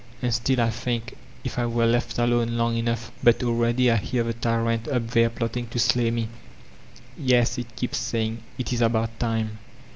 And stitl I think, if I were left alone long enough — but already I hear the Tyrant up there plotting to slay me. — ^'•Yes," it keeps saying, "it is about time